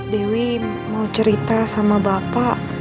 dewi mau cerita sama bapak